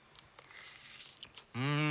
うん！